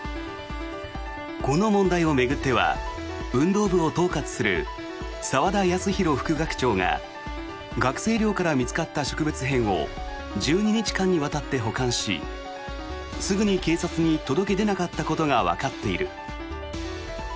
この問題を巡っては運動部を統括する澤田康広副学長が学生寮から見つかった植物片を１２日間にわたって保管しすぐに警察に届け出なかったことがわかっている。